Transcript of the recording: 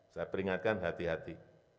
saya peringatkan hati hati